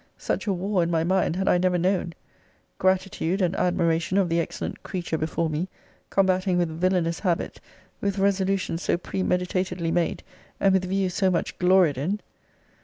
Such a war in my mind had I never known. Gratitude, and admiration of the excellent creature before me, combating with villanous habit, with resolutions so premeditatedly made, and with view so much gloried in!